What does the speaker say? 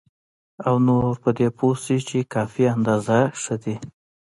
او نور په دې پوه شي چې کافي اندازه ښه دي.